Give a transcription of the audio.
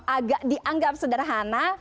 agak dianggap sederhana